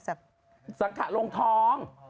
ศักดิ์ค่ะลงท้อง